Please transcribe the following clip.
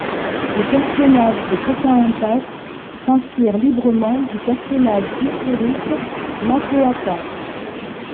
Le personnage de Pocahontas s'inspire librement du personnage historique Matoaka.